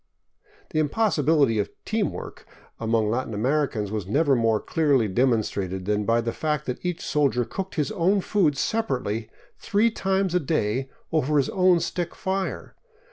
The im possibility of " team work " among Latin Americans was never more clearly demonstrated than by the fact that each soldier cooked his own food separately three times a day over his own stick fire.